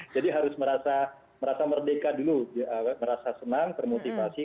jadi harus merasa merdeka dulu merasa senang bermotivasi